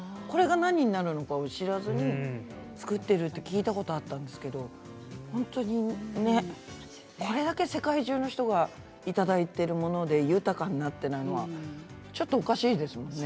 これが何になるのか知らずに作っていると聞いたことがあったんですけど、本当にねこれだけ世界中の人がいただいているもので豊かになっていないのはおかしいですね。